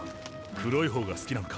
黒いほうが好きなのか。